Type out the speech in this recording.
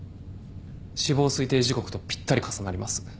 死亡推定時刻とぴったり重なります。